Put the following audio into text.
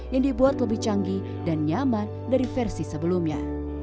yang dibuat lebih canggih dan nyaman dari versi sebelumnya